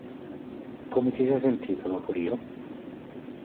Come ti sei sentita dopo Rio?